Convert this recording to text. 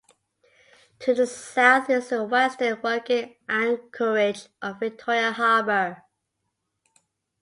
To the south is the Western Working Anchorage of Victoria Harbour.